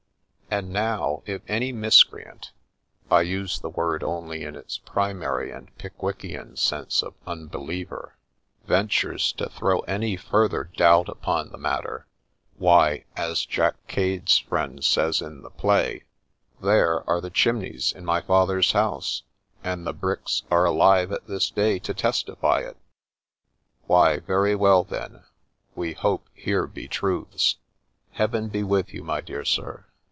And now, if any miscreant (I use the word only in its primary and ' Pickwickian ' sense of 'unbeliever') ventures to throw any further doubt upon the matter, why, as Jack Cade's friend says in the play, ' There are the chimneys in my father's house, and the bricks are alive at this day to testify it !'' Why, very well then — we hope here be truths !' Heaven be with you, my dear Sir